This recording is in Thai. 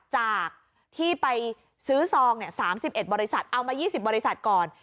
จากที่ไปซื้อซอง๓๑บริษัทเอามา๒๐บริษัทก่อน